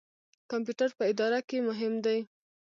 کمپیوټر په اداره کې مهم دی